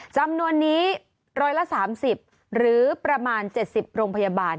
จำนวนนี้๑๓๐หรือประมาณ๗๐โรงพยาบาล